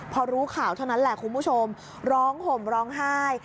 พอรู้ข่าวเท่านั้นแหละคุณผู้ชมร้องห่มร้องไห้